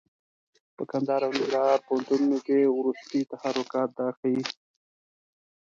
په کندهار او ننګرهار پوهنتونونو کې وروستي تحرکات دا ښيي.